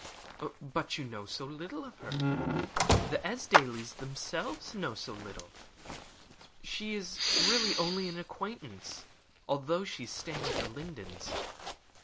"But you know so little of her. The Esdailes themselves know so little. She is really only an acquaintance, although she is staying at The Lindens.